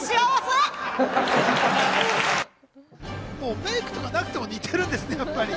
メイクとかなくても似てるんですね、やっぱり。